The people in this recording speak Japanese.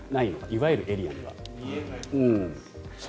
いわゆるエリアには。